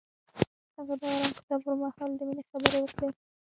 هغه د آرام کتاب پر مهال د مینې خبرې وکړې.